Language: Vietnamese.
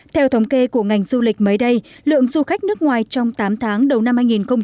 theo thống kê của ngành du lịch mới đây lượng du khách nước ngoài trong tám tháng đầu năm hai nghìn hai mươi